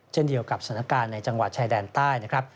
เช่นเดียวกับสถานการณ์ในจังหวัดชายแดนใต้นะครับ